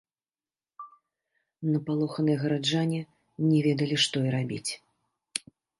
Напалоханыя гараджане не ведалі што і рабіць.